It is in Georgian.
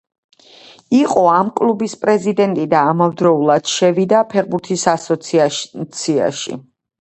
იყო ამ კლუბის პრეზიდენტი და ამავდროულად შევიდა ფეხბურთის ასოციაციაში.